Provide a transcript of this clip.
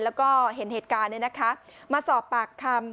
แล้วก็เห็นเหตุการณ์มาสอบปากคำ